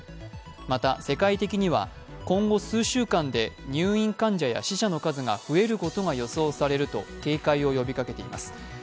また、世界的には今後、数週間で入院患者や死者の数が増えることが予想されると警戒を呼びかけています。